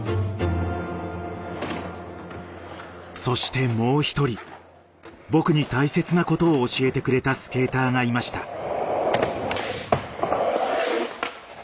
そしてもう一人僕に大切なことを教えてくれたスケーターがいました。